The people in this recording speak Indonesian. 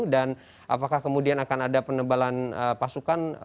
dan apakah kemudian akan ada penebalan pasukan